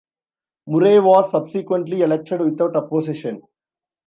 Murray was subsequently elected without opposition.